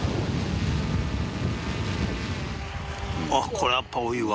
これやっぱり多いわ。